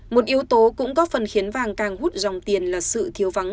một yếu tố cũng góp phần khiến vàng càng hút dòng tiền là sự thiếu vắng